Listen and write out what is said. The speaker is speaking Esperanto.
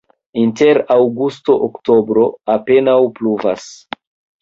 Inter aŭgusto-oktobro apenaŭ pluvas.